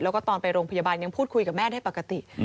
แล้วก็ตอนไปโรงพยาบาลยังพูดคุยกับแม่ได้ปกติ